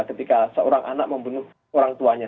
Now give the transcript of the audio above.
ketika seorang anak membunuh orang tuanya